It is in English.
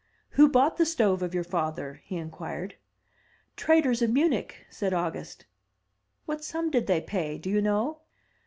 "Who bought the stove of your father?" he inquired. "Traders of Munich," said August. "What sum did they pay, do you know?"